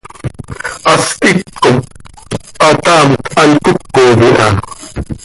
Hast hipcom hataamt hant cocom iha.